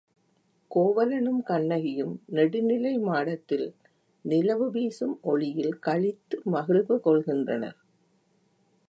கோவலனும் கண்ணகியும் நெடுநிலை மாடத்தில் நிலவு வீசும் ஒளியில் களித்து மகிழ்வு கொள்கின்றனர்.